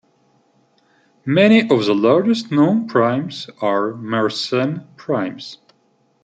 Many of the largest known primes are Mersenne primes.